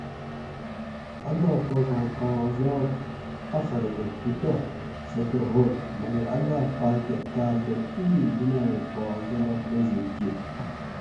اللّٰہ پاکاں کاں عزاب آخرتہ تھو تہ سہ تہ ہوگ مگر اللّٰہ پاکہ تاس رہ ایں دنایہ پا عزاب نازل کیر